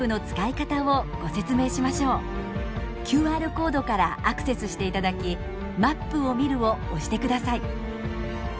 ＱＲコードからアクセスしていただき「Ｍａｐを見る」を押してください。